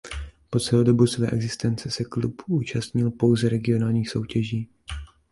Po celou dobu své existence se klub účastnil pouze regionálních soutěží.